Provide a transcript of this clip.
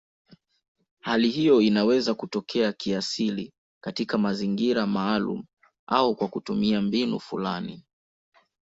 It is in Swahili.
Hali hiyo inaweza kutokea kiasili katika mazingira maalumu au kwa kutumia mbinu fulani.